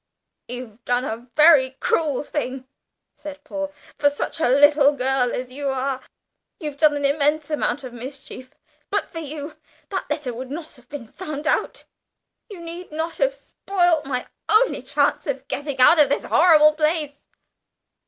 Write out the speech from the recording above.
"You've done a very cruel thing," said Paul. "For such a little girl as you are, you've done an immense amount of mischief. But for you, that letter would not have been found out. You need not have spoilt my only chance of getting out of this horrible place!"